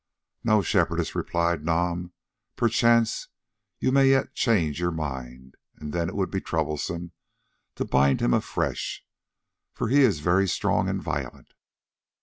"No, Shepherdess," replied Nam; "perchance you may yet change your mind, and then it would be troublesome to bind him afresh, for he is very strong and violent.